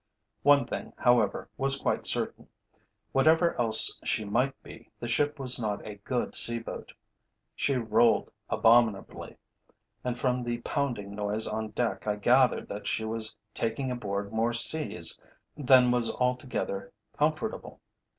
One thing, however, was quite certain; whatever else she might be, the ship was not a good sea boat. She rolled abominably, and from the pounding noise on deck I gathered that she was taking aboard more seas than was altogether comfortable.